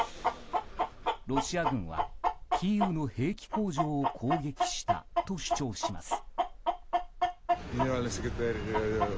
ロシア軍はキーウの兵器工場を攻撃したと主張します。